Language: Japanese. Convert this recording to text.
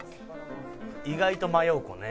意外と迷う子ね。